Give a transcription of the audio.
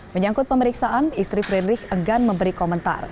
menyangkut pemeriksaan istri frederick enggan memberi komentar